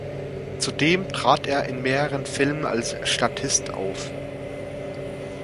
Zudem trat er in mehreren Filmen als Statist auf.